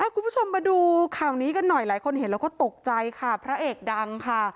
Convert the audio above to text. คุณผู้ชมมาดูข่าวนี้กันหน่อยหลายคนเห็นแล้วก็ตกใจค่ะพระเอกดังค่ะ